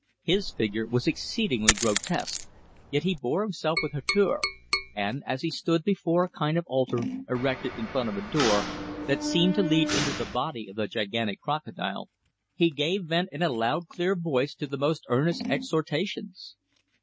His figure was exceedingly grotesque, yet he bore himself with hauteur, and as he stood before a kind of altar erected in front of a door, that seemed to lead into the body of the gigantic crocodile, he gave vent in a loud clear voice to the most earnest exhortations.